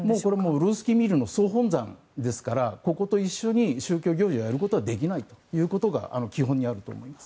ルースキー・ミールの総本山ですからそこと宗教行事をやることはできないということが基本にあると思います。